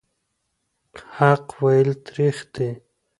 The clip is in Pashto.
حق ویل تریخ دي.